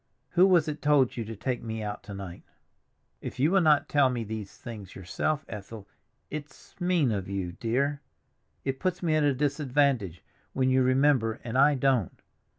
Who was it told you to take me out to night?" "If you will not tell me these things yourself, Ethel—it's mean of you, dear; it puts me at a disadvantage when you remember and I don't.